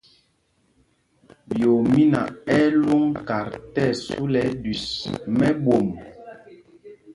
Yoomína ɛ́ ɛ́ lwōŋ kat tí ɛsu lɛ ɛɗüis mɛ́ɓwôm.